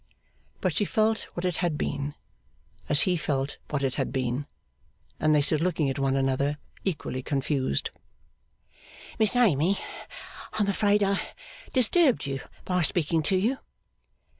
But she felt what it had been, as he felt what it had been; and they stood looking at one another equally confused. 'Miss Amy, I am afraid I disturbed you by speaking to you.